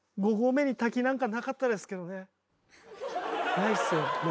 ないっすよ。